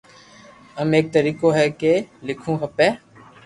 امي ايڪ طريقو ھي ڪي ليکووُ کپي